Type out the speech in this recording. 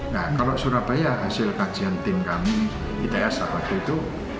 nah kalau surabaya hasil kajian tim kami its pagi itu